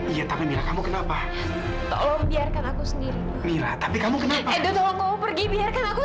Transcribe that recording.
iya tapi kamu kenapa tolong biarkan aku sendiri tapi kamu pergi biarkan aku